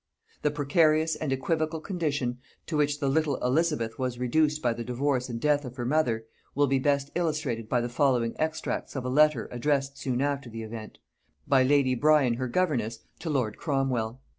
] The precarious and equivocal condition to which the little Elizabeth was reduced by the divorce and death of her mother, will be best illustrated by the following extracts of a letter addressed soon after the event, by lady Bryan her governess, to lord Cromwel.